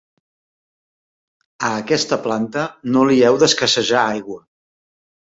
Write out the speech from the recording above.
A aquesta planta, no li heu d'escassejar l'aigua.